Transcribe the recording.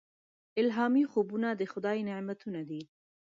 الهامي خوبونه د خدای نعمتونه دي.